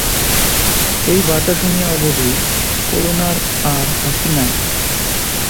এই বার্তা শুনিয়া অবধি করুণার আর হাসি নাই।